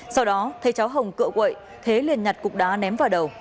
sau đó thấy cháu hồng cựa quậy thế liền nhặt cục đá ném vào đầu